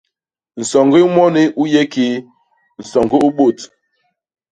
Nsoñgi u moni u yé kii? nsoñgi u bôt.